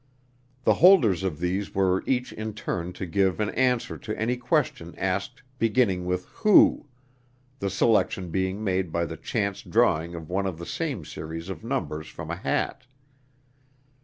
The holders of these were each in turn to give an answer to any question asked beginning with "Who," the selection being made by the chance drawing of one of the same series of numbers from a hat.